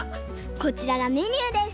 こちらがメニューです。